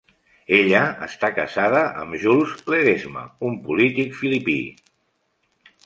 Ella està casada amb Jules Ledesma, un polític filipí.